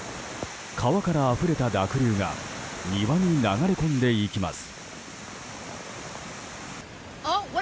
川からあふれた濁流が庭に流れ込んでいきます。